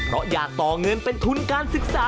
เพราะอยากต่อเงินเป็นทุนการศึกษา